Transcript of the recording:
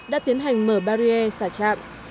đã tiến hành mở barrier xả trạm